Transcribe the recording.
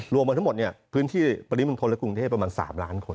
รวมมาทั้งหมดพื้นที่ปริมณฑลและกรุงเทพประมาณ๓ล้านคน